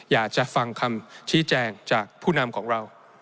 อยากจะฟังคำชี้แจงจากผู้นำของเรา